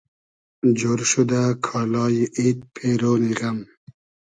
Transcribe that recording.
جۉر شودۂ کالای اید پېرۉنی غئم